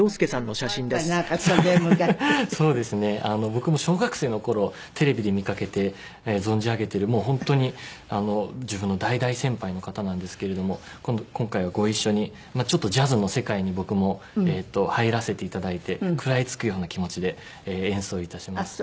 僕も小学生の頃テレビで見かけて存じ上げているもう本当に自分の大大先輩の方なんですけれども今回はご一緒にちょっとジャズの世界に僕も入らせていただいて食らい付くような気持ちで演奏いたします。